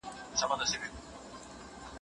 ښوونکي مخکي له دې اصلاحات پلي کړي وو.